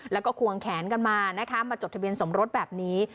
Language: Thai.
แล้วก็ควงแขนกันมานะคะมาจดทะเบียนสมรสแบบนี้